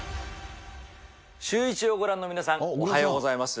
シューイチのご覧の皆さん、おはようございます。